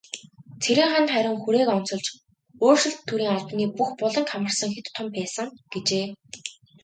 Цэрэнханд харин хүрээг онцолж, "өөрчлөлт төрийн албаны бүх буланг хамарсан хэт том байсан" гэжээ.